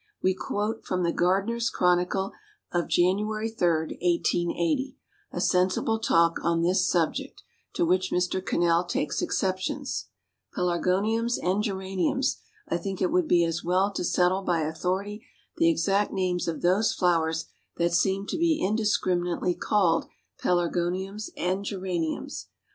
We quote from the Gardener's Chronicle of January 3d, 1880, a sensible talk on this subject, to which Mr. Cannell takes exceptions: "Pelargoniums and Geraniums I think it would be as well to settle by authority the exact names of those flowers that seem to be indiscriminately called Pelargoniums and Geraniums.